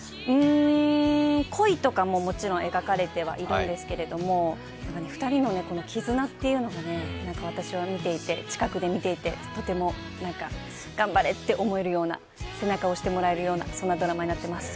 恋とかももちろん描かれてはいるんですけれども、２人の絆というのが私は近くで見ていて、頑張れって思えるような、背中を押してもらえるようなそんなドラマになっています。